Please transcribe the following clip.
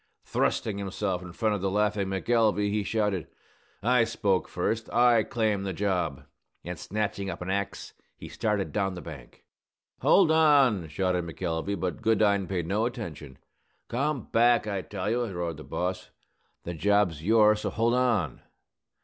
Thrusting himself in front of the laughing McElvey, he shouted, "I spoke first! I claim the job!" And, snatching up an axe, he started down the bank. "Hold on!" shouted McElvey; but Goodine paid no attention. "Come back, I tell you!" roared the boss. "The job's yours, so hold on!"